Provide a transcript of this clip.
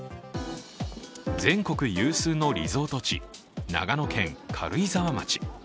全国有数のリゾート地長野県軽井沢町。